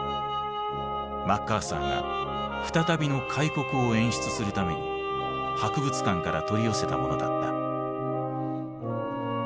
マッカーサーが再びの開国を演出するために博物館から取り寄せたものだった。